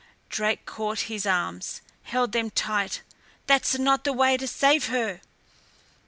Drake caught his arms, held them tight; "that's not the way to save her!"